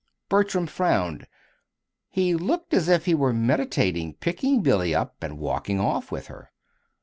Bertram frowned. He looked as if he were meditating picking Billy up and walking off with her.